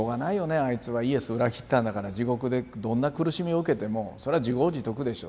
あいつはイエスを裏切ったんだから地獄でどんな苦しみを受けてもそれは自業自得でしょ